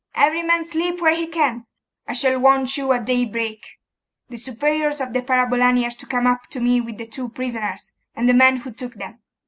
'Every man sleep where he can. I shall want you at daybreak. The superiors of the parabolani are to come up to me with the two prisoners, and the men who took them.